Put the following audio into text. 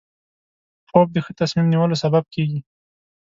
خوب د ښه تصمیم نیولو سبب کېږي